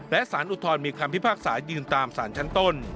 และสารอุทธรณมีคำพิพากษายืนตามสารชั้นต้น